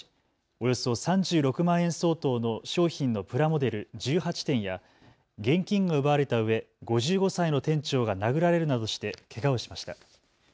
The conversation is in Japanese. およそ３６万円相当の商品のプラモデル１８点や現金が奪われたうえ５５歳の店長が殴られるなどしてけがをしました。